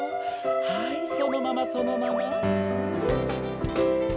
はいそのままそのまま。